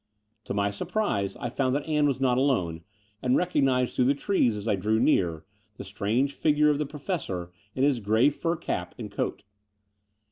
To my surprise I fotmd that Ann was not alone, and recognized through the trees, as I drew near, the strange figure of the Professor in his grey fur cap and coat.